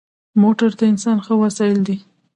موټر د انسان ښه وسایل دی.